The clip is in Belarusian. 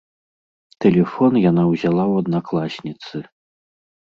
Тэлефон яна ўзяла ў аднакласніцы.